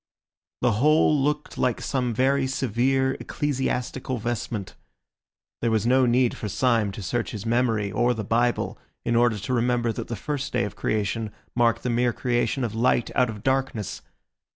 The whole looked like some very severe ecclesiastical vestment. There was no need for Syme to search his memory or the Bible in order to remember that the first day of creation marked the mere creation of light out of darkness.